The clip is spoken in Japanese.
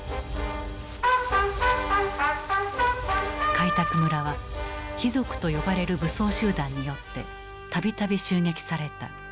開拓村は「匪賊」と呼ばれる武装集団によって度々襲撃された。